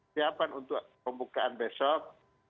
siapan untuk pembukaan besok